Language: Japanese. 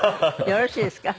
よろしいですか？